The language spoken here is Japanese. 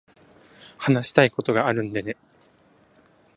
話したいことがあるんでね。